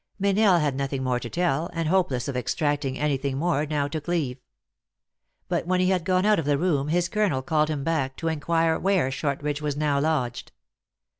Meynell had nothing more to tell, and, hopeless of extracting any thing more, now took leave. But when he had gone out of the room, his colonel called him back to inquire where Shortridge was now lodged.